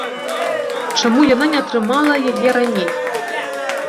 Чаму яна не атрымала яе раней?